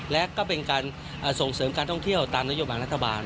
และส่งเสริมการท่องเที่ยวตามนโจมันชะบาน